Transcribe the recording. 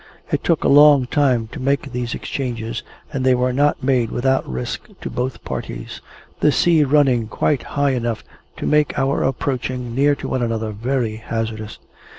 It took a long time to make these exchanges, and they were not made without risk to both parties; the sea running quite high enough to make our approaching near to one another very hazardous.